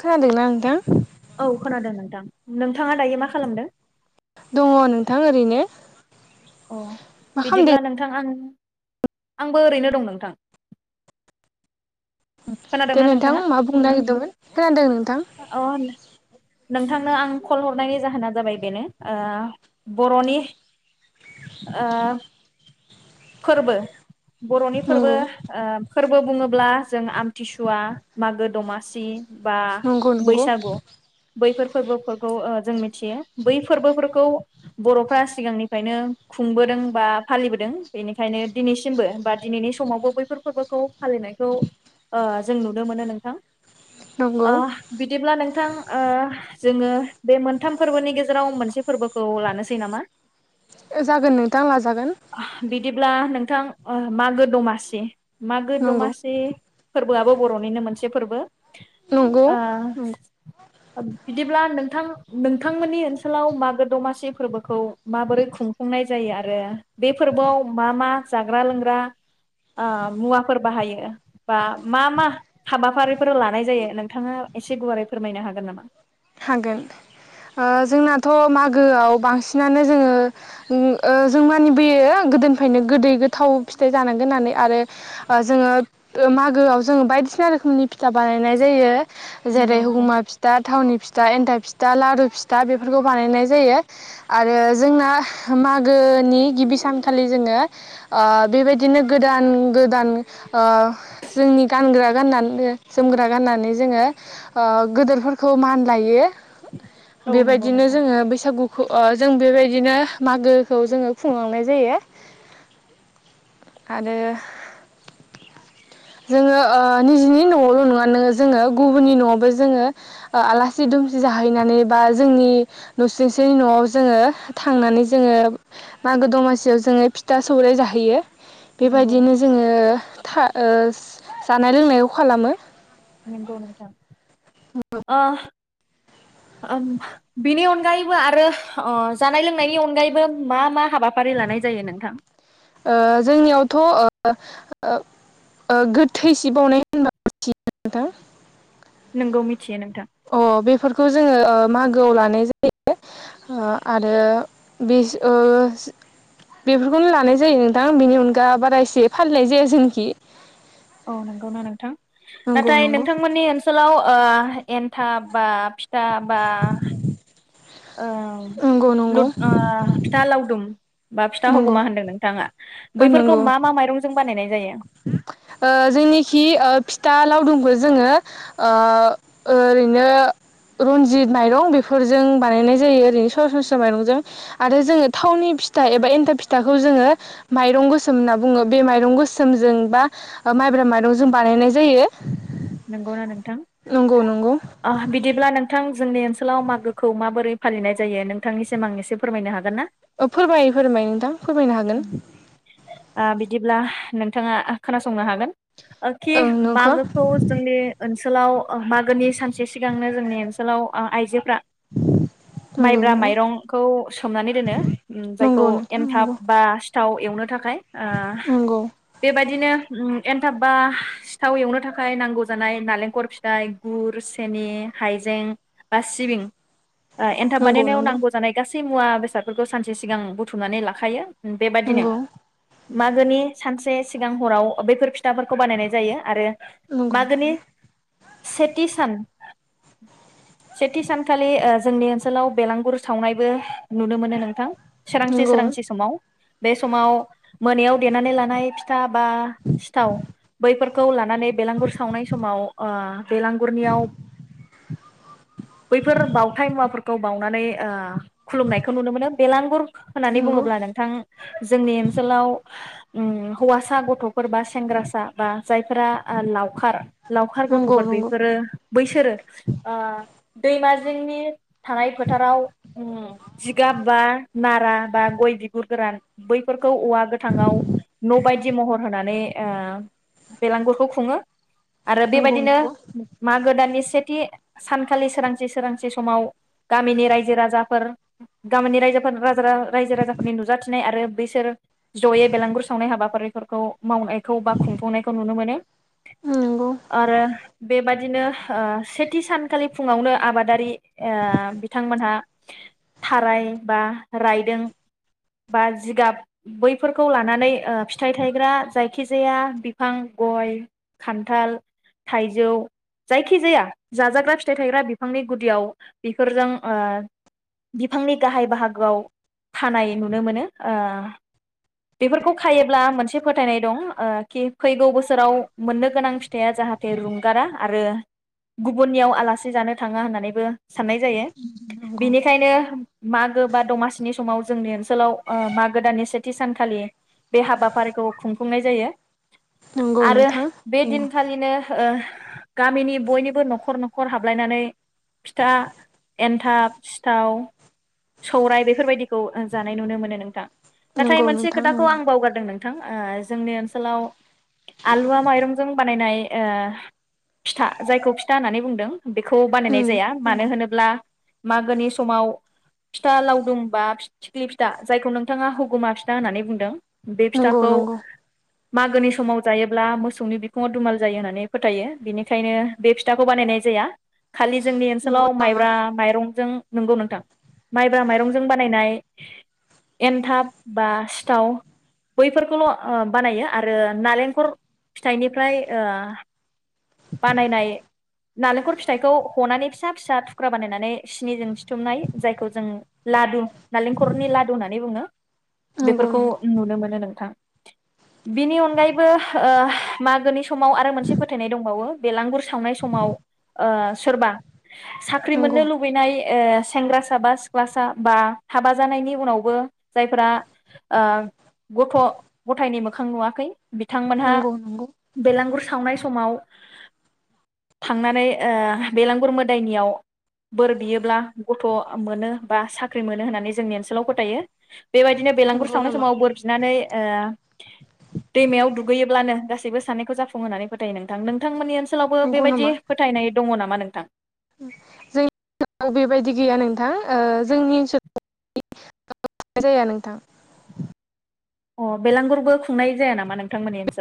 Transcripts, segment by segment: खोनादों ना नोंथां [unintelligible] औ खोनादों नोंथां नोंथाङा दायो मा खालामदों थां ओरैनो अ मा खालामदों बिदिब्ला नोंथां आं आंबो ओरैनो दं नोंथां दे खोनादोंना नोंथां नोंथाङा मा बुंनो नागिरदोंमोन खोनादों नोंथां अ नोंथांनो आं कल हरनायनि जाहोना जाबाय बेनो ओ बर'नि ओ फोरबो बर'नि फोरबो नंगौ ओ फोरबो बुङोब्ला जों आमथिसुवा मागो दमासि बा नंगौ नंगौ बैसागु बैफोर फोरबोफोरखौ ओ जों मिथियो बै फोरबोफोरखौ बर'फ्रा सिगांनिफ्रायनो खुंबोदों बा फालिबोदों बेनिखायनो दिनैसिमबो बा दिनैनि समावबो बैफोर फोरबोखौ फालिनायखौ ओ जों नुनो मोनो नोंथां नंगौ ओ बिदिब्ला नोंथां ओ जोङो बे मोनथाम फोरबोनि गेजेराव मोनसे फोरबोखौ लानोसै नामा जागोन नोंथां लाजागोन। अब्ला नोंथां ओ मागो दमासि मागो नंगौ दमासि। फोरबोआबो बर'निनो मोनसे फोरबो। नंगौ ओ बिदिब्ला नोंथां नोंथांमोननि ओनसोलाव मागो दमासि फोरबोखौ माबोरै खुंफुंनाय जायो आरो बे फोरबोआव मा मा जाग्रा लोंग्रा ओ मुवाफोर बाहायो बा मा मा हाबाफारिफोर लानाय जायो नोंथाङा एसे गुवारै फोरमायनो हागोन नामा। हागोन ओ जोंनाथ' मागोआव बांसिनानो जोङो ओ जों माने बेयो गोदोनिफ्रायनो गोदै गोथाव फिथाइ जानांगोन होननानै आरो ओ जोङो मागोआव जोङो बायदिसिना रोखोमनि फिथा बानायनाय जायो। नंगौ जेरै नोंथां हुमा फिथा थावनि [unintelligible] एनथाब फिथा लारु फिथा बेफोरखौ बानायनाय जायो आरो जोंना मागोनि गिबि सानखालि जोङो ओ बेबायदिनो गोदान गोदान ओ जोंनि गानग्रा गाननानो जोमग्रा गाननानै जोङो ओ गोदोरफोरखौ मान लायो। औ नंगौ बेबायदिनो नोंथां जोङो बैसागुखौ ओ जों बेबायदिनो मागोखौ जोङो खुंलांनाय जायो आरो जोङो ओ निजिनि न'आवल' नङा नोङो जोङो गुबुननि न'आवबो जोङो ओ आला सि दुमसि जाहैनानै बा जोंनि नुसंसिनि न'आव जोङो थांनानै जोङो मागो दमासियाव जोङो फिथा सौरराय जाहैयो। नंगौ बेबायदिनो नोंथां जोङो था ओस जानाय लोंनायाव खालामो। नंगौ नोंथां। अ। [unintelligible] बिनि अनगायैबो आरो ओ जानाय लोंनायनि अनगायैबो मा मा हाबाफारि लानाय जायो नोंथां। ओ जोंनियावथ' ओ ओ ओ गोथै सि बावनाय होनबा मिथियो नोंथां। नोंगौ मिथियो नोंथां अ बेफोरखौ जोङो ओ मागोआव लानाय जायो ओ आरो [unintelligible] बेफोरखौनो लानाय जायो नोंथां बिनि अनगा बारा इसे फालिनाय जाया जोंनिखि। औ नंगौना नोंथां नंगौ नाथाय नंगौ नोंथांमोननि ओनसोलाव। ओ एन्थाब बा फि था बा ओ [unintelligible] नंगौ ओ नंगौ फिथा लावदुम। बा फिथा नंगौ हगमा होनदों नोंथाङा। बैफोरखौ नंगौ मा मा माइरंजों बा बानायनाय जायो। लावदुमखो जोङो ओ ओरैनो रनजित माइरं बेफोरजों बानायनाय जायो ओरैनो सरासनस्रा माइरंजों आरो जोङो थावनि फिथा एबा एन्थाब फिथाखौ जोङो माइरं गोसोम होनना बुङो बे माइरं गोसोम सोमजों बा माइब्रा माइरंजों बानायनाय जायो। नंगौना नंगौ नंगौ नोंथां बिदिब्ला नोंथां जोंनि ओनसोलाव मागोखौ माबोरै फालिनाय जायो। नोंथांनिसिम आं एसे फोरमायनो हागोन ना? अ फोरमायो फोरमायो नोंथां फोरमायनो ओ हागोन। बिदिब्ला नोंथाङा खोनासंनो हागोन। आखि ओं नोंखौ मागोखौ जोंनि ओन ओनसोलाव मागोनि सानसे सिगांनो जोंनि ओनसोलाव आइजोफ्रा नंगौ माइब्रा माइरंखौ सोमनानै दोनो नंगौ जायखौ नंगौ नोंथां नंगौ एनथाब सिथाव एवनो थाखाय आ बे बायदि बिदिनो एनथाब बा सिथाव एवनो थाखाय नांगौ जानाय नालेंखलर फिथाइ गुर सेनि हाइजें बा सिबिं एनथाब नंगौ बानायनायाव नंगौ नांगौ जानाय गासैबो सै मुवा बेसादफोरखौ सानसे सिगां बुथुमनानै लाखायो। बेबादिनो नंगौ मागोनि सानसे सिगां हराव बैफोर फिथाफोरखौ बानायनाय जायो आरो नंगौ मागोनि नोंथां सेथि सान सेथि सानखालि ओ जोंनि ओनसोलाव बेलांगुर सावनायबो नुनो मोनो नोंथां। नंगौ सोरांसि सोरांसि समाव बे समाव मोनायाव देनानै लानाय फिथा बा सिथाव बैफोरखौ लानानै बेलांगुर सावनाय समाव ओ बेलांगुरनियाव बैफोर बावथाय मुवाफोरखौ बावउनानै ओ खुलुमनायखौ नुनो मोनो बेलांगुर होननानै नंगौ बुङोब्ला नोंथां जोंनि ओनसोलाव ओम हौवासा गथ'फोर बा सेंग्रासा बा जायफोरा लावखार लावखार नंगौ नंगौ गथ'फोर बेफोरो बैसोरो दैमाजिंनि थानाय फोथाराव ओम जिगाब बा नारा बा गय बिगुर गोरान बैफोर औवा गोथांआव न' बायदि महर होनानै ओ बेलांगुरखौ खुङो आरो नंगौ नंगौ बेबायदिनो मागो दाननि सेथि सानखालि सोरांसि सोरांसि समाव गामिनि रायजो राजाफोर गामिनि रायजोफोर रा रायजो राजाफोरनि नुजाथि नाय आरो बैसोर जयै बेलांगुर सावनाय हाबाफारिफोरखौ मावनायखौ बा खुंफुंनायखौ नुनो मोनो। नंगौ आरो बेबादिनो ओ सेथि सानखालि फुङावनो आबादारि ओ बिथांमोनहा थाराय बा रायदों बा जिगाब बैफोरखौ लानानै आ फिथाइ थायग्रा जायखिजाया बिफां गय, खान्थाल, थाइजौ जायखिजाया जाजाग्रा फिथाइ थायग्रा बिफांनि गुदियाव बेफोरजों ओ बिफांनि गाहाय बाहागोआव खानाय नुनो मोनो ओ बेफोरखौ खायोब्ला मोनसे फोथायनाय दं खि फैगौ बोसोराव मोननो गोनां फिथाइया जाहाथे रुंगारा आरो गुबुननियाव आलासि जानो थाङा होननानैबो साननाय जायो नंगौ बेनिखायनो मा गो बा दासिनि समाव जों ओनसोलाव ओ मागो दाननि सेथि सानखालि बे हाबाफारिखौ खुंफुंनाय जायो। नंगौ आरो नोंथां बे नंगौ दिनखालिनो ओ गामिनि बयनिबो न'खर न'खर हाबलायनानै फिथा एन्थाब सिथाव सौराय बेफोरबायदिखौ जानाय नुनो मोनो नोंथां। नाथाय नंगौ मोनसे नोंथां खोथाखौ नंगौ आं बावगारदों नों नोंथां ओ जोंनि ओनसोलाव आलुवा माइरंजों बानायनाय ओ फिथा जायखौ फिथा होननानै बुंदों बेखौ बानायनाय उम जाया नंगौ मानो होनोब्ला मागोनि समाव फिथा लावदुम बा फि थिख्लि फिथा जायखौ नोंथाङा हुगुमा फिथा होननानै बुंदों बे नंगौ फिथाखौ नंगौ मागोनि समाव जायोब्ला मोसौनि बिखुङाव दुमाल जायो होननानै फोथायो बेनिखायनो बे फिथाखौ बानायनाय जाया। खालि जोंनि नंगौ ओनसोलाव नामा माइब्रा माइरंजों नंगौ नोंथां माइब्रा माइरंजों बानायनाय एन्थाब बा सिथाव बैफोरखौल' ओ बानायो आरो नालेंखल फिथाइनिफ्राय ओ बानायनाय नालेंखर फिथाइखौ हनानै फिसा फिसा थुख्रा बानायनानै सिनिजों सिथुमनाय जायखौ जों लादु नालेंखरनि लादु होननानै बुङो। नंगौ बेफोरखौ नंगौ नुनो मोनो नों थां बिनि अनगायैबो ओ मागोनि समाव आरो मोनसे फोथायनाय दं बेलांगुर सावनाय समाव ओ सोरबा साख्रि नंगौ मोननो लुबैनाय ओ सेंग्रासा बा सिख्लासा बा हाबा जानायनि उनावबो जायफ्रा ओ गथ' गथायनि मोखां नुवाखै बिथांमोनहा नंगौ नंगौ बेलांगुर सावनाय समाव थांनानै ओ बेलांगुर मोदायनियाव बोर बियोब्ला गथ' मोनो बा साख्रि मोनो होननानै जोंनि ओनसोलाव फोथायो। बेबायदिनो बेलगुर नंगौ सावनाय नामा समाव बोर बिनानै ओ दैमायाव दुगैयोब्लानो गासैबो साननायखौ जाफुं होननानै फोथायो नों थां नोंथांमोननि ओन सोलावबो नंगौ बेबायदि फोथायनाय दङ ना मा नोंथां? जोंनि ओनसोलाव बेबायदि गैया नोंथां ओ जोंनि ओनसोलाव जाया नोंथां। अ बेलांगुरबो खुंनाय जाया नामा नों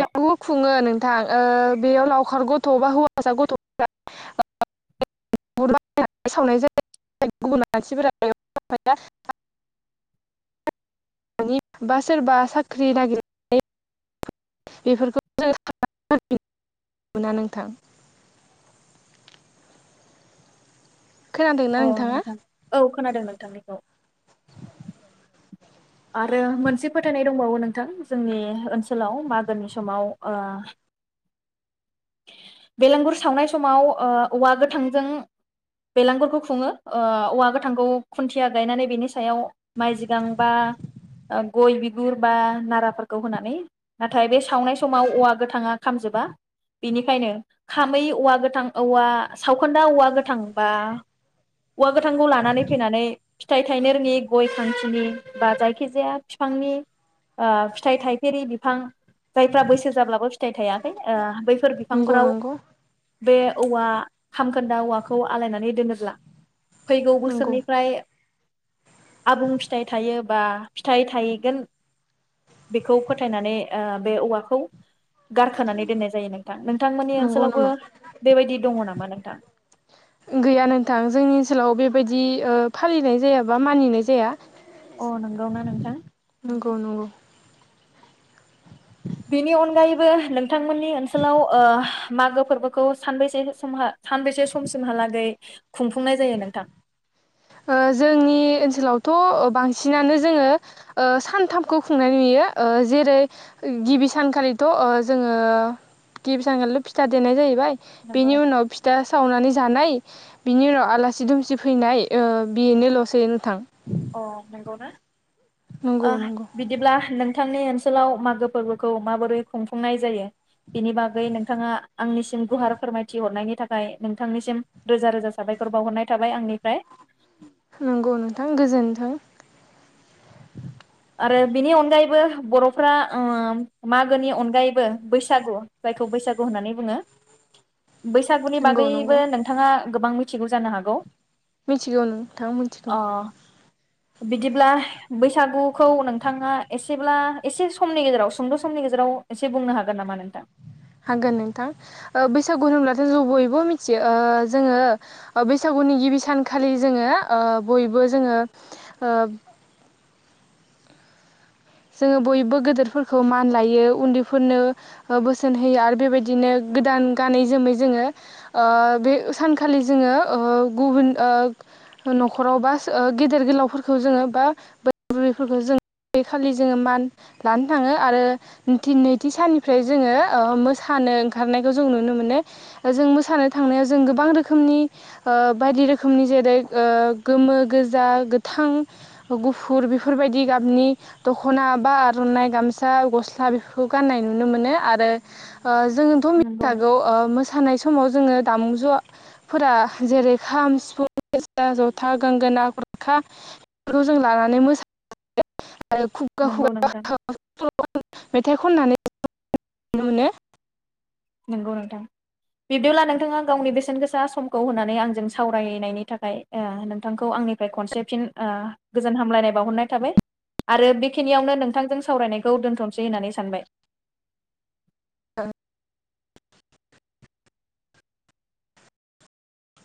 बेबो खुङो नोंथां ओ बेयाव लावखार गथ'एबा हौवा [inaudible] सावनाय जायो गुब मानसिफोरा [inaudible] बा सोरबा साख्रि नागिरनानै बेफोरखौ [inaudible] मोना नोंथां। खोनादोंना अ नोंथांङा? नोंथां औ खोनादों नोंथांनिखौ। आरो मोनसे फोथायनाय दंबावो नोंथां जोंनि ओनसोलाव मागोनि समाव ओ बेलगुर सावनाय समाव ओ औवा गोथांजों बेलांगुरखौ खुङो ओ औवा गोथांखौ खुन्थिया गायनानै बेनि सायाव माइ जिगां बा गय बिगुर बा नाराफोरखौ होनानै नाथाय बे सावनाय समाव औवा गोथाङा खामजोबा बेनिखायनो खामै औवा गोथां औवा सावखोन्दा औवा गोथां बा औवा गोथांखौ लानानै फैनानै फिथाइ थायनो रोङि गय खांथिनि बा जायखि खिजाया फिफांनि फिथाइ ओ थाइफेरे बिफां जायफ्रा बैसो जाब्लाबो फिथाइ थायाखै ओ बै फोर नंगौ बिफांफोराव नंगौ बे औवा खामखोन्दा औवाखौ आलायनानै दोनोब्ला फैगौ नंगौ बोसोरनिफ्राय आबुं फिथाइ थायो बा फिथाइ थायगोन बेखौ फोथायनानै ओ बे औवाखौ गारखोनानै दोननाय जायो नों थां नोंथांमोननि नंगौ ओनसोलावबो नामा बेबायदि दङ नामा? मा नोंथां? गैया नोंथां जोंनि ओनसोलाव बेबायदि ओ फालिनाय जाया बा मानिनाय जाया। अ नंगौना नोंथां? नंगौ नंगौ बेनि अनगायैबो नोंथांमोननि ओनसोलाव ओ मागो फोर्बोखौ सानबैसे समहा सानबैसे समसिमहालागै खुंफुंनाय जायो नोंथां? ओ जोंनि ओनसोलावथ' बांसिनानो जोङो ओ सानथामखौ खुंनाय नुयो ओ जेरै गिबि सानखालिथ' ओ जोङो गिबि सानखालिथ' फिथा देनाय जाहैबाय। बेनि नंगौ उनाव फिथा सावनानै जानाय बिनि उनाव आलासि दुमसि फैनाय ओ बेनोल'सै नोंथां। अ नंगौ ना? नंगौ ओ नंगौ बिदिब्ला नोंथांनि ओन ओनसोलाव मागो फोर्बोखौ माबोरै खुंफुंनाय जायो बिनि बागै नोंथाङा आंनिसिम गुहार फोरमायथि हरनायनि थाखाय नोंथांनिसिम रोजा रोजा साबायखर बावहरनाय थाबाय आंनिफ्राय। नंगौ नोंथां गोजोनथों। आरो बिनि अनगायैबो बर'फ्रा ओ मागोनि अनगायैबो बैसागु जायखौ बैसागु होननानै बुङो। बैसागुनि नंगौ नंगौ बागैबो नोंथाङा गोबां मिथिगौ जानो हागौ? मिथिगौ नोंथां मिथिगौ। अ बिदिब्ला बैसागु खौ नोंथाङा एसेब्ला एसे समनि गेजेराव सुंद' समनि गेजेराव एसे बुंनो हागोन नामा नोंथां? हागोन नोंथां ओ बैसागु होनब्लाथ' जों बयबो मिथियो ओ जोङो बैसागुनि गिबि सानखालि जोङो ओ बयबो जोङो ओ जोङो बयबो गोदोरफोरखौ मान लायो उन्दैफोरनो बोसोन होयो आरो बेबायदिनो गोदान गानै जोमै जोङो ओ बे सानखालि जोङो ओ गुबुन ओ न'खराव बास ओ गेदेर गोलावफोरखौ जोङो बा बोराय बुरै फोरखौ जोङो खालि जोङो मान लानो थाङो आरो निथि नैथि साननिफ्राय जोङो ओ मोसानो ओंखारनायखौ जों नुनो मोनो जों मोसानो थांनायाव जों गोबां रोखोमनि ओ बायदि रोखोमनि जेरै ओ गोमो, गोजा, गोथां गुफुर बेफोरबायदि गाबनि दख'ना बा आर'नाइ गामसा गस्ला बेफोरखौ गाननाय नुनो मोनो आरो ओ जोंथ' नंगौ मिथिखागौ नोंथां ओ मोसानाय समाव जोङो दामुज'फोरा जेरै खाम सिफुं, सेरजा, जथा गोंगोना, गुरखा बेफोरखौ जों लानानै [inaudible] आरो नंगौ नोंथां [unintelligible] मेथाइ खननानै [inaudible] नुनो नंगौ नोंथां बिब्दिब्ला नोंथाङा गावनि बेसेन गोसा समखौ होनानै आंजों सावरायनायनि थाखाय ओ नोंथांखौ आंनिफ्राय खनसे फिन ओ गोजोन हामलायनाय बावहरनाय थाबाय आरो बेखिनियावनो नोंथांजों सावरायनायखौ दोनथ'नोसै होननानै सानबाय।